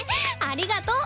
ありがとう。